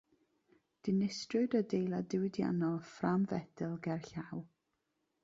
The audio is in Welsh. Dinistriwyd adeilad diwydiannol ffrâm fetel gerllaw.